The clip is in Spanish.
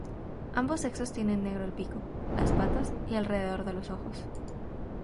Ambos sexos tienen negro el pico, las patas y alrededor de los ojos.